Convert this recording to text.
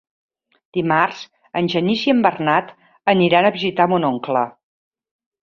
Dimarts en Genís i en Bernat aniran a visitar mon oncle.